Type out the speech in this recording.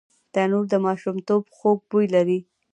تنور د ماشومتوب خوږ بوی لري